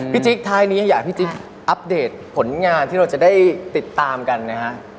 จิ๊กท้ายนี้อยากให้พี่จิ๊กอัปเดตผลงานที่เราจะได้ติดตามกันนะฮะ